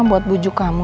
buat bujuk kamu